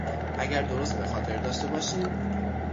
اگر درست به خاطر داشته باشیم...